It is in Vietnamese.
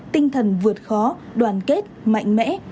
tinh thần vượt khó đoàn kết mạnh mẽ